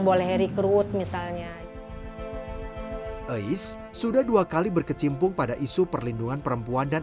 pilih rekrut misalnya is sudah dua kali berkecimpung pada isu perlindungan perempuan dan